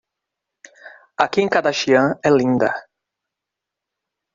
A Kim Kardashian é linda.